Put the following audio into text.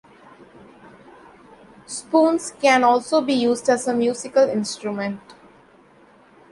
Spoons can also be used as a musical instrument.